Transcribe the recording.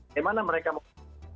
bagaimana mereka mau membuatnya